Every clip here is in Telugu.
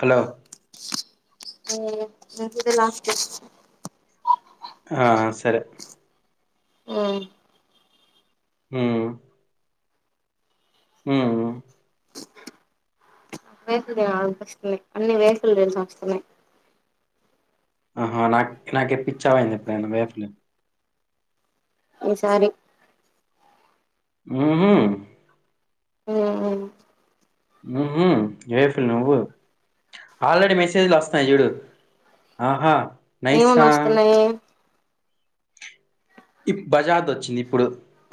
హలో అ మ లాస్ట్ ఆ సరే ఆ హ్మ్ మ్మ్ వేసులు ఆనిపిస్తున్నాయి అన్ని వేసులు తెలిసి వస్తున్నాయి ఆహా నాకు నాకెప్పచ్చా అయింది ఎప్పుడు నేను వేఫలే ఈసారి మ్మ్మ్ మ్మ్ మ్మ్ ఏఫుల్ నువ్వు ఆల్రెడీ మెసేజ్లు వస్తాయి చూడు ఆహా ఏమని నైస్‌రా. వస్తున్నాయి ఇప్ బజాజ్ వచ్చింది ఇప్పుడు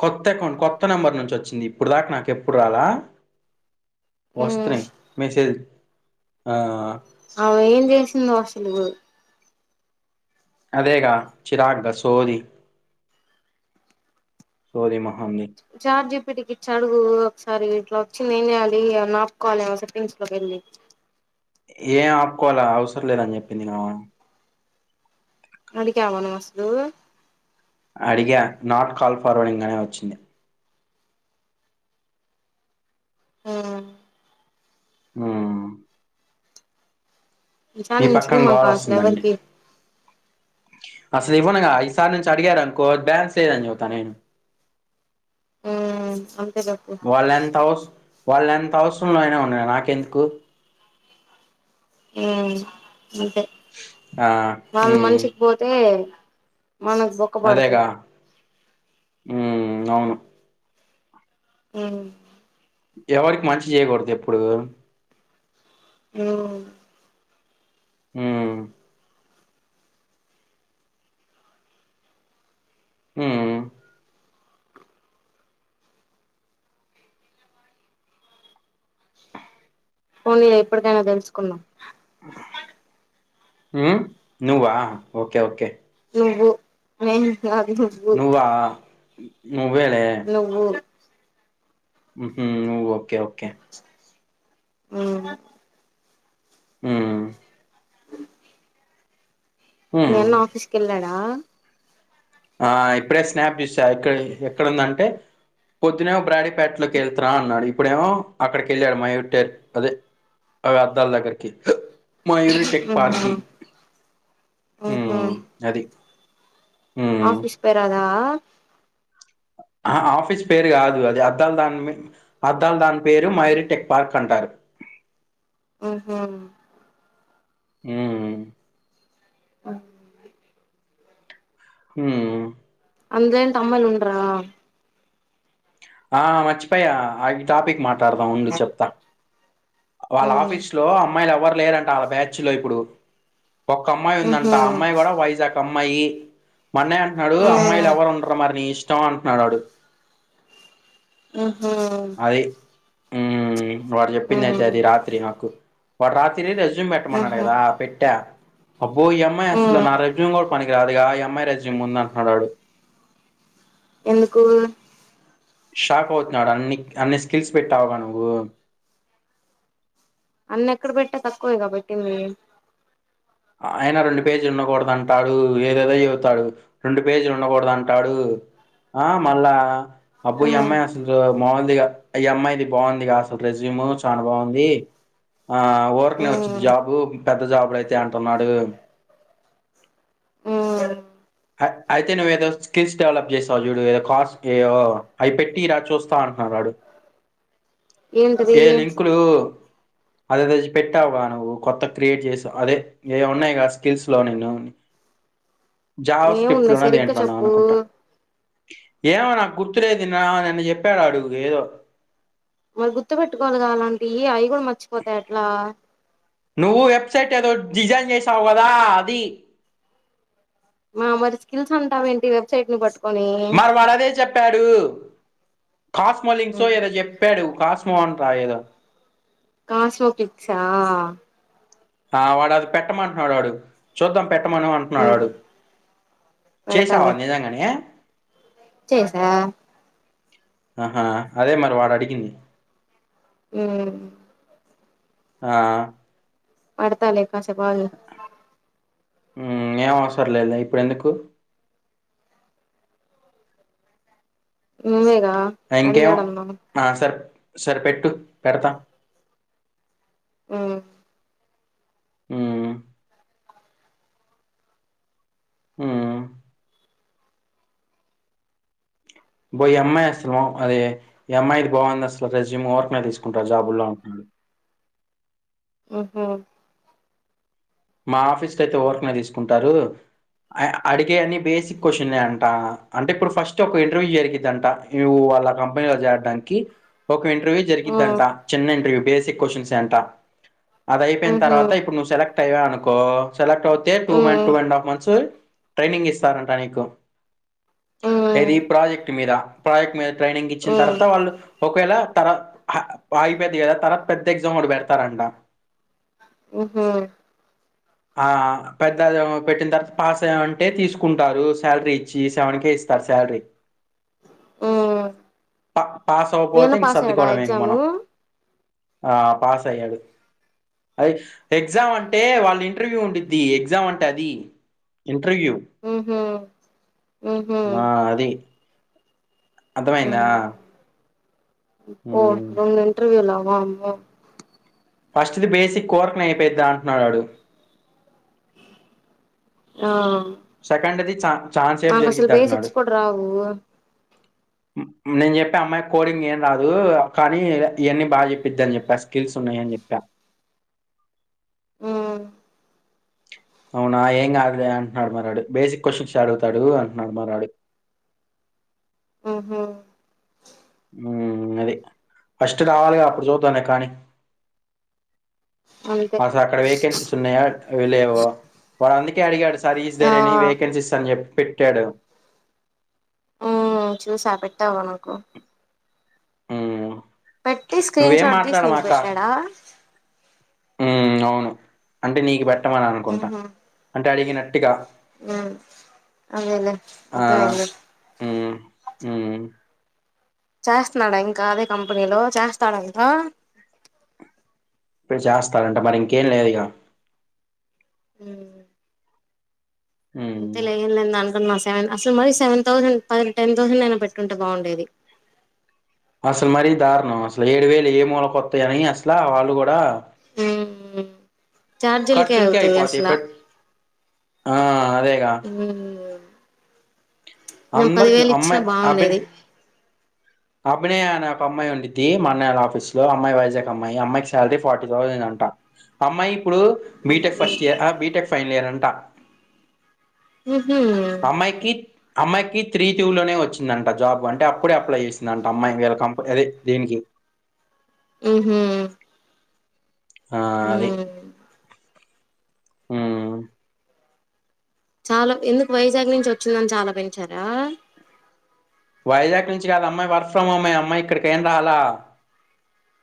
కొత్త అకౌంట్ కొత్త నెంబర్ నుంచి వచ్చింది ఇప్పుడు దాకా నాకు ఎప్పుడు రాలా వస్తన్నాయ్ మెసేజ ఆ ఆమె ఏం చేసిందో అసలు చూడు అదేగా చిరాగ్గా సోది సోది mehndi chat G P T కి ఇచ్చి అడుగు ఒకసారి ఇట్లా వచ్చింది ఏం చేయాలి అ నొక్కాలేమో సెట్టింగ్స్ లోకి వెళ్ళి ఏం ఆపుకోవాల అవసరం లేదని చెప్పింది ఆమె అడిగావా నువ్వు అసలు అడిగ నాట్ కాల్ ఫార్వర్డింగ్ అనే వచ్చింది మ్మ్ మ్మ్ ఈ సారి నుంచి పక్కన మాకా అసలు గోలొస్తుందండి. ఎవరికి అసలు ఇవ్వనగా ఈసారి నుంచి అడిగారునుకో బ్యాన్స్ లేదని చెప్తా నేను అంతే చెప్పు వాళ్ళెంత్ హౌస్ వాల్ ఎన్ కొత్త అవసరంలో అయినా ఉన్నా నాకెందుకు ఆ అంతే ఆ వాళ్ళు ఉమ్ మనిషికి పోతే మనకు బొక్క పడతుంది ఉ అవును ఆ ఎవరికి మంచి చేయకూడదు ఎప్పుడు అవును ఆ హ ఫన్లీ ఎప్పటికైనా తెలుసుకుందాం నువ్వా ఓకే ఓకే అ నువ్వలే ఓ ఓకే ఓకే అ ఆ ఉమ్ నేన్న ఆఫీస్కిళ్ళాను ఆ ఇప్పుడే స్నాప్ చూసా ఇక్క ఎక్కడందంటే పొద్దున్న బ్రాడ ప పెట్లక త నా ఇప్పుడేమో అక్కడికి వెళ్ళాడు మా ఒట్టేరు అదే అ అద్దాల దగ్గరకి మయూరిటెక్ పార్కి ఆఓహా హ్మ్ ఆఫీస్ పేరాదా ఆఫీస్ పేరు కాదు అది అద్దల్ దాని అద్దాల దాని పేరు మైరి టెక్ పార్క్ అంటారు ఆహా ఆ ఆ హ అంతేం తమ్మల్ ఉండ ఆ మచ్చి పయ్య ఆ టాపిక్ మా ప్రార్థం ఉందుంది చెప్తా వాళ్ళ మ్మ్ ఆఫీస్ లో అమ్మాయిలు ఎవరు ప్లేయర్ అంట వాళ బ్యాచ్ లో ఇప్పుడు ఒక అమ్మాయి మ్హు ఉందంట ఆ అమ్మాయి కూడా వైజాగ్ అమ్మాయి సమయి మా ఆన్నయ అంటుడు మ్మ్ అమ్మాయిలు ఎవరు ఉండరు మరి నీ ఇష్టం ఇష్టం అట్న్డాడు ఆ అదది వారు చెప్పింది అయితే మ్మ్ అది రాత్రి నాకు వ రా తి రెజ మ్హు పెట్టమకుదా పెట్టా అబయి ఎమ్మాయాస్ మ్మ్ నా రజ కూడా పనికి రాదిగా ఆ అమ్మాయి రజ్య ముంద అంటున్నాడాడు ఎందుకు షాక్ అవుతున్నాడు అన్ని అన్ని స్కిల్స్ పెట్టావుగా నువ్వు అన్న ఎక్కడ పెట్టా తక్కువే గా పెట్టింది అయినా రెండు పేజీలు ఉండకూడద ఏదేదో చెబతాడు రెండు పేజీలు ఉండకూడదు అంటాడు ఆ మళ్ళా అబ్బో ఈ మ్మ్ అమ్మా అసలు మముల్ది కాదు ఈ అమ్మాయిది బాగుంది అసలు రెజ్యూమ్ చాలా బాగుంది ఆ ఊర్కనే వచ్చిది మ్మ్ జాబు పెద్ద జాజ్లో [unintelligible] త్తమ్మాడిగేమ్ ఆ అయి అయితే నువ్వు ఏదో స్కిల్స్ డెవలప్ చేస్తావు. చూడు ఏదో కాస్టీ ఏవొ అవి పెట్టి ఇరా చూస్తా అంటున్నాడు వాడు. ఏంటిది ఏ లింకులు అదే రోజు పెట్టావుగా నువ్వు కొత్త క్రియేట్ చేసావు. అదే ఏ ఉన్నాయి కా స్కిల్స్ లో నిన్నుని ఏమున్నాయి సరిగ్గా చెప్పు ఏమో నాకు గుర్తులేదు నిన్నా నన్న చెప్పాడు అడుగు ఏదో మరి గుర్తు పెట్టుకోవాలక అలాంటి ఇయి అయికూడా మర్చిపోతే ఏట్లా నువ్వు వెబ్సైట్ ఏదో డిజైన్ చేసావ్ కదా అది మా మరి స్కిల్స్ అంటవేంటి వెబ్సైట్ ని పట్టుక్ మర్ వాడు అదే చెప్పాడు కాస్మలింగ్సో ఏదో చెప్పాడు కాస్ స్మోంట్రా ఏదో కాస్మో కిక్సా ఆ వాడు అది పెట్టమంటున్నాడు ఆడు చూద్దాం పెట్టమని అంటున్నాడు, ఉమ్ ఆడు చేసావా పెడతాలే నిజంగానే చేసా ఆహా అదే మరి వాడు అడిగింది. మ్ ఆ పడతాలే కాసేప్ అగిగ మ్ ఏం అవసరం లేదులే ఇప్పుడెందుకు నువేగా ఇంకేం ఆ సర్ సరే పెట్టు పెడతాం మ్ మ్ మ్మ్ బోయి అమ్మాయి అసలు అదే ఈ అమ్మాయిది బాగుంది అసలు రెజ్యూమ్ ఓర్క్ నే తీసుకుంటారు జాబుల్లో అంటున్నాడు హమ్మ్ మ్మ మా ఆఫీస్ క అయితే ఓర్క్ నే తీసుకుంటారు అడిగే అన్ని బేసిక్ క్యూషన్ లే అంట అంటే ఇప్పుడు ఫస్ట్ ఒక ఇంటర్వ్యూ జరిగిందట నువ్వు వాళ్ళ కంపెనీలో చేరడానికి ఒక ఇంటర్వ్యూ జరిగిందంట ఉమ్ చిన్న ఇంటర్వ్యూ బేసిక్ కొశచన్స్ సే అంట అది అయిపోయిన ఉహు తర్వాత ఇప్పుడు నువ్వు సెలెక్ట్ అట్టవ అనుకో సెలక్ట్ అవుతే టూ మ ఉమ్ two and half months training ఇస్తారంట నీకు ఉమ్ ఏది ప్రాజెక్ట్ మీద ప్రాజెక్ట్ మీద ట్రైనింగ్ ఇచ్చిన ఉమ్ తర్వాత వాళ్ళు ఒకవేళ తర్వాత అయిపోయిది కదా తర్వాత పెద్ద ఎగ్జామ్ ఓటి పెడతారంట హుమ్మ్ ఆ పెద్ద పెట్టిన తర్వాత పాస్ అయ్యమంటే తీసుకుంటారు శాలరీ ఇచ్చి సెవెన్ కే ఇస్తారు శాలరీ ఉమ్ పా పాస్ మీ అవ్వపోతే అన్న ఇంక పాస్ అయ్యాడా సర్దుకోవడం ఎగ్జాము మనం ఆ పాస్ అయ్యాడు అది ఎగ్జామ్ అంటే వాళ్ళ ఇంటర్వ్యూ ఉండిది ఎగ్జామ్ అంటే అది ఇంటర్వ్యూ హూహూ ఆ అది అర్థమైందా ఉమ్ ఓ హ్మ్. ఇంటర్వ్యూలా ఓం ఓం ఫస్ట్ది బేసి కోర్క్ న నేపోద్దా అంటున్నాడు వడు హ సెకండ్ ది చ నాకు అసలు బేసిక్స్ కూడా రావు నేను చెప్పా అమ్మాయి కోడింగ్ ఏం రాదు, కానీ ఇవన్నీ బాగా చెప్పిద్దని చెప్పా స్కిల్స్ ఉన్నాయని చెప్పా ఉమ్ అవునా ఏం కాదులే అంటున్నాడు మారాడు, బేసిక్ క్వశ్చన్స్ అడుగుతాడు అంటున్నాడు మారాడు ఊహూ మ్ ఉమ్ అది ఫస్ట్ రావాలిగా అప్పుడు చూద్దాంలే కానీ అంతే అసలు అక్కడ వేకెన్సీస్ ఉన్నాయా లేవా, వాడు అందు కే అడిగాడు స్టడీస్ ఆ ధేర్ ఎణి వేకెన్సీస్ అని చెప్ప్ పెట్టాడా ఉమ్ చూసా పెట్టావా నాకు హ్మ్. పెట్టి స్క్రీన్ నువ్వేం షాట్ తీసి నీకు మాట్లాడమాక పెట్టాడా ఉమ్ అవును అంటే నీకు పెట్ ట్టమని అనుకుంటా, మ్హు అంటే అడిగినట్టుగా మ్మ్ అదేలే ఆ అర్థమైంది హూ హూ చేస్తున్నాడా ఇంకా అదే కంపెనీలో చేస్తాడా ఇంకా ఇప్పుడు చేస్తారంట మరి ఇంకేం లేద ఇగా మ్మ్ మ్మ్ ఎంత లేద్లే సెవెన్ అసలు మరి సెవెన్ థౌసండ్ పది టెన్ థౌసండ్ అయినా పెట్టుంటే బాగుండేది అసలు మరీ దారుణం అసలు ఏడు వేలు ఏ మూలకొత్తాయని అసల వాళ్ళు కూడా ఉమ్ చార్జీలకే ఖర్చులకే అవుతాయి అయిపోతాయి అసలా పెట్ ఆ అదేగా ఉమ్ నుమ్ అందరికి పదివేలు ఇచ్చినా అమ్మాయి బాగుండేది అభినయ్ అభినయ అనే ఒక అమ్మాయి ఉండిద్ది మా అన్నయోల్ల ఆఫీస్ లో అమ్మాయి వైజాగ్ అమ్మాయి, అమ్మాయికి శాలరీ ఫార్టీ థౌసండ్ అంట, అమ్మాయి ఇప్పుడు బీటెక్ ఓకే ఫస్ట్ ఇయర్ అ బీటెక్ ఫైనల్ ఇయర్ అంట ఊహూ అమ్మాయికి అమ్మాయికి త్రీ టూ లోనే వచ్చిందంట జాబ్ అంటే అప్పుడు అప్లై చేసి దంట అమ్మాయి వీళ్ళ కంపెని అదే దీనికి ఊహూ ఆ ఉమ్ ఉమ్ చాలా, ఎందుకు వైజాగ్ నుంచి వచ్చిందని చాలా పెంచారా వైజాగ్ నుంచి కాదు అమ్మాయి వర్క్ ఫ్రమ్ హోమ్ అమ్మాయి ఇక్కడికేం రాలా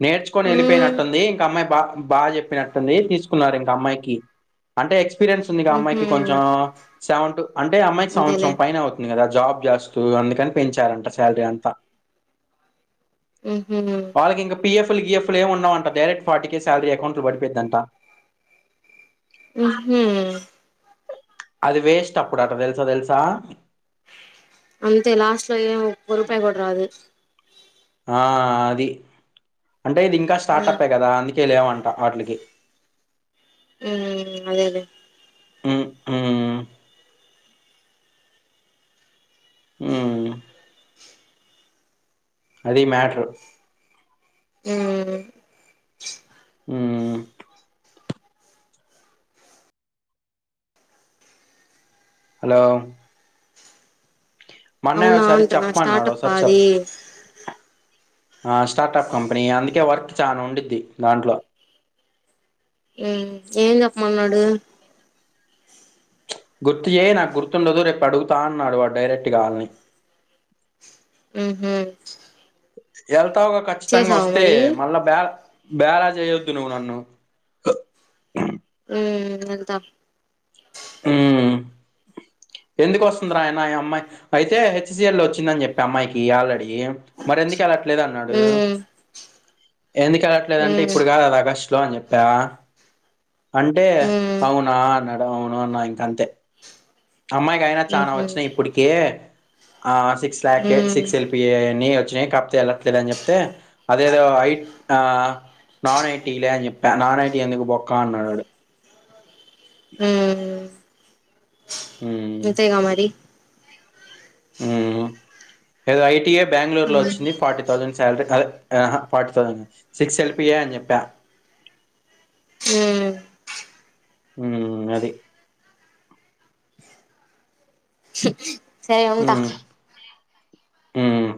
నేర్చుకుని ఉ వెళిపోయినట్టుంది ఇంకామ్మాయి బా బాగా చెప్పినట్టుంది తీసుకున్నారు ఇంక అమ్మాయికి అంటే ఎక్స్ పిరియన్స్ ఉంది ఉహు అమ్మాయికి కొంచెం సెవెన్ట్ అంటే అమ్మాయికి సంవత్సరం అదేలే పైనే అవుతుంది కదా జాబ్ చేస్తు అందుకని పెంచారంట సాలరీ అంతా. హుహ్ లు గిఎఫ్ ఉండవంట డైరెక్ట్ ఫార్టీకే సాలరీ అకౌంట్ లో పడిపోయిద్దంట. హూహ్ అది వేస్ట్ అప్పుడు అట్ట తెలుసా తెలుసా అంతే లాస్ట్ లో ఏ ఒక్క రూపాయ కూడ రాదు. ఆ అది. అంటే ఇది ఇంకా ఉ స్టార్టప్పే కదా అందుకే లేవం ట ఆట్లికి. ఉ అదే అదే హ్ హు హ్ అదీ మ్యాటరు. హ్ హు హలో మా అన్నయ్య అవునా ఒకసారి అవునంటనా చెప్పమన్నాడు స్టార్టప్ ఆ ఒకసారి చెప్ అది. ఆ స్టార్టప్ కంపెనీ అందుకే వర్క్ చానా ఉండిద్ది దాంట్లో. ఏ ఏం చెప్పమన్నాడు. గుర్తు చేయి నాకు గుర్తుండదు. రేపు అడుగుతా అన్నాడు వాడు డైరెక్ట్గా ఆళ్ని. ఉహూ ఎల్ వత్తావుగా ఖచ్చితంగా వస్తే మళ్ళా బ్యాక్ బేలా చేయొద్దు నువ్వు నన్ను. ఉ వెళ్తా. ఉ ఎందుకు వస్తుందిరా అయిన ఈ అమ్మాయి. అయితే హెచ్సీయల్లో వచ్చిందని చెప్పా అమ్మాయికి ఆల్రెడీ. మరి ఎందుకు ఎల్లా లేదన్నాడు. ఉ ఎందుకు ఎళ్ళట్లేదంటే ఉ ఇప్పుడు కాదు అది ఆగస్ట్ జాయిన్ అని చెప్పా అంటే హ్మ్ అవునా అన్నాడు. అవు ను అన్నా ఇంకాంతే. అమ్మాయికి అయినా చానా ఉహూ వచ్చినయి ఇప్పటికే. ఆ సిక్స్ ల్యాక్కే హ్మ్ సిక్స్ ఎల్పిఎ అని వచ్చి నయి కప్తే ఎళ్ళట్లేదు అని చెప్తే, అదేదో ఐ ఆ నాన్ ఐటిలే అని చెప్పా. నాన్ ఐటీ ఎందుకులే బొక్కా అన్నాడు ఆడు. హ్ మ్మ్ అంతేగా మరి. హ్ ఏదో ఐటిఎఫ్ బ్యాంగుళూరులో హ్మ్ వచ్చింది ఫార్టీ థౌసండ్ శాలరీ అ ఫటీ థౌసండ్ సిక్స్ ఎల్పి అని చెప్ప హ్మ్ మ్ అది సరే ఉంటా మ్